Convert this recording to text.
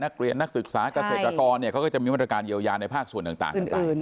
นักเรียนนักศึกษากาเศรษฐกรเนี่ยเขาก็จะมีมาตรการเยียวยาในภาคส่วนต่าง